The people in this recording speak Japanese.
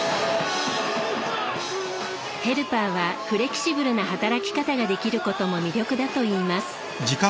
ヘルパーはフレキシブルな働き方ができることも魅力だといいます。